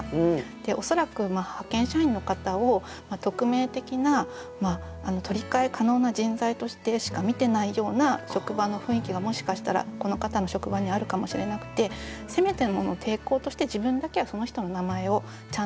で恐らく派遣社員の方を匿名的な取り替え可能な人材としてしか見てないような職場の雰囲気がもしかしたらこの方の職場にあるかもしれなくてせめてもの抵抗として自分だけはその人の名前をちゃんと呼ぶ。